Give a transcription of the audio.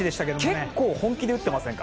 結構本気で打ってませんか。